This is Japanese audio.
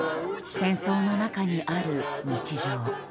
戦争の中にある日常。